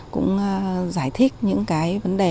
cũng giải thích những vấn đề